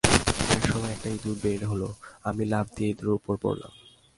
একসময় একটা ইঁদুর বের হল-আমি লাফ দিয়ে ইঁদুরের ওপর পড়লাম।